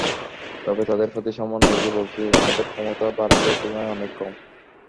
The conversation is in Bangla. তবে তাদের প্রতি সম্মান রেখেই বলছি, আমাদের সক্ষমতা ভারতের তুলনায় অনেক কম।